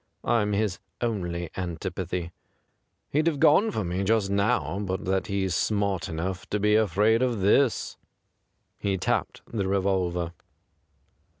I'm his only antipathy. He'd have gone for me just now but that he's smart enough to be afraid of this.' He tapped the revolver.